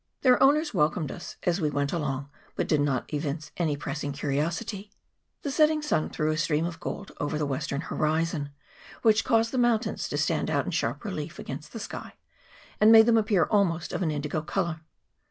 Their owners welcomed us as we went along, but did not evince any pressing curiosity. The setting sun threw a stream of gold over the western horizon, which caused the mountains to stand out in sharp relief against the sky, and made them appear almost of an indigo colour.